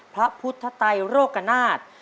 พระพุทธไตโรกนาฏ